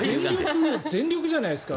全力じゃないですか。